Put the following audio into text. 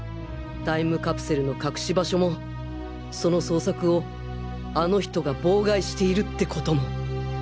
タイムカプセルの隠し場所もその捜索をあの人が妨害しているって事も